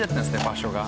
場所が。